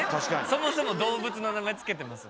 そもそも動物の名前付けてます。